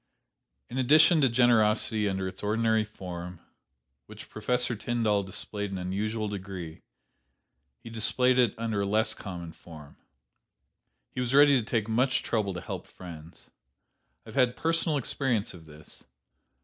In addition to generosity under its ordinary form, which Professor Tyndall displayed in unusual degree, he displayed it under a less common form. "He was ready to take much trouble to help friends. I have had personal experience of this.